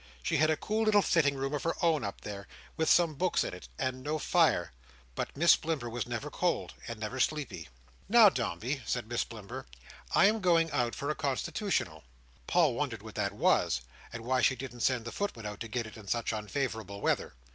She had a cool little sitting room of her own up there, with some books in it, and no fire But Miss Blimber was never cold, and never sleepy. Now, Dombey," said Miss Blimber, "I am going out for a constitutional." Paul wondered what that was, and why she didn't send the footman out to get it in such unfavourable weather.